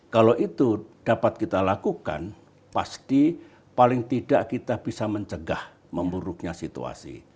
kalau itu dapat kita lakukan pasti paling tidak kita bisa mencegah memburuknya situasi